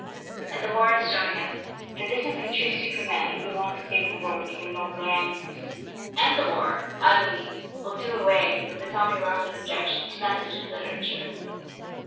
And the war is showing us that this is the true Superman, if we want to save the world for nobler ends. "And the war, I believe, will do away with the tommy rotten objection to 'message' in literature.